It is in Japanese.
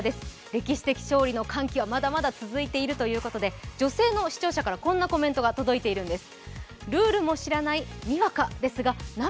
歴史的勝利の歓喜は続いているということで女性の視聴者からこんなコメントが届いているんです。